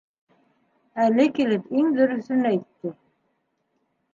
Әле килеп иң дөрөҫөн әйтте.